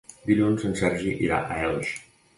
Dilluns en Sergi irà a Elx.